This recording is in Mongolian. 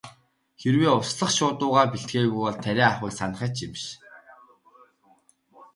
Хэрэв услах шуудуугаа бэлтгээгүй бол тариа авахыг санах ч юм биш.